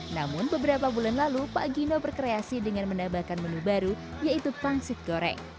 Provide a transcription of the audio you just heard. namun beberapa bulan lalu pak gino berkreasi dengan menambahkan menu baru yaitu pangsit goreng